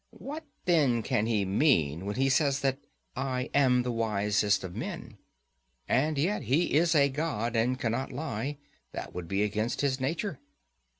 What then can he mean when he says that I am the wisest of men? And yet he is a god, and cannot lie; that would be against his nature.